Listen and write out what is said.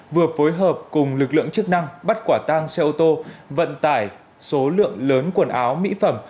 vừa phối hợp cùng lực lượng chức năng bắt quả tang xe ô tô vận tải số lượng lớn quần áo mỹ phẩm